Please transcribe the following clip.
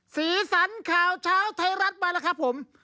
สีสันข่าวเช้าไทยรัฐมาแล้วครับผม